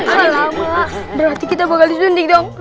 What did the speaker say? alamak berarti kita bakal disunding dong